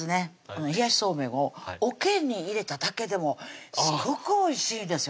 冷やしそうめんをおけに入れただけでもすごくおいしいんですよ